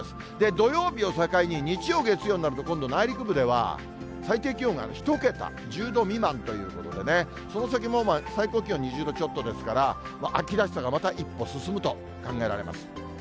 土曜日を境に、日曜、月曜になると今度、内陸部では、最低気温が１桁、１０度未満ということでね、その先も、最高気温２０度ちょっとですから、秋らしさがまた一歩進むと考えられます。